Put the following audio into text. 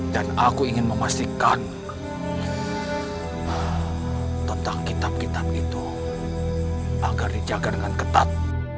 dan aku ingin memastikan tentang kitab kitab itu agar dijaga dengan ketat